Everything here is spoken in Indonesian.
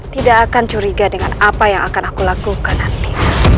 tidak akan curiga dengan apa yang akan aku lakukan nanti